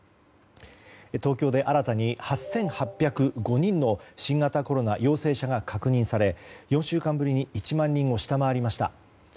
東京で新たに８８０５人の新型コロナ陽性者が確認され、４週間ぶりに１万人を下回りました。